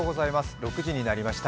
６時になりました。